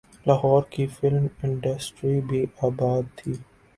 لاہور کی film industry بھی آباد تھی۔